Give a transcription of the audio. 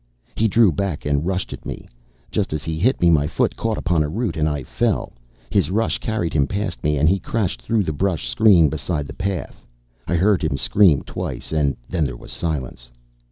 He drew back and rushed at me. Just as he hit me, my foot caught upon a root, and I fell. His rush carried him past me, and he crashed through the brush screen beside the path. I heard him scream twice, then there was silence.